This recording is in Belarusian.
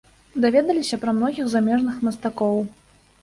Даведаліся пра многіх замежных мастакоў.